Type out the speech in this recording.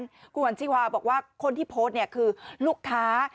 คุณขวัญชีวาบอกว่าคนที่โพสต์เนี่ยคือลูกค้า